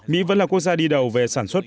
mỹ vẫn là quốc gia đi đầu về sản xuất